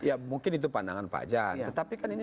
ya mungkin itu pandangan pak jan